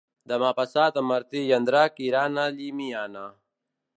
Demà passat en Martí i en Drac iran a Llimiana.